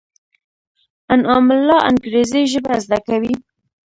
انعام الله انګرېزي ژبه زده کوي.